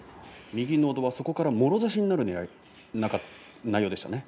右のど輪、そこからもろ差しになるねらいでしたね。